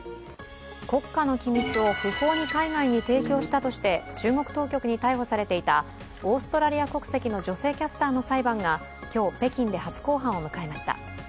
国家の機密を不法に海外に提供したとして中国当局に逮捕されていたオーストラリア国籍の女性キャスターの裁判が今日北京で初公判を迎えました。